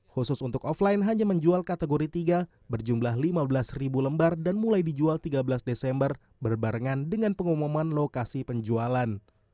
khusus untuk offline hanya menjual kategori tiga berjumlah lima belas ribu lembar dan mulai dijual tiga belas desember berbarengan dengan pengumuman lokasi penjualan